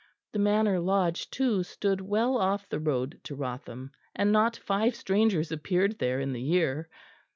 The Manor Lodge, too, stood well off the road to Wrotham, and not five strangers appeared there in the year.